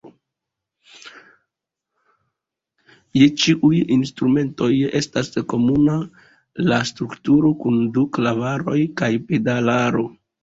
Je ĉiuj instrumentoj estas komuna la strukturo kun du klavaroj kaj pedalaro.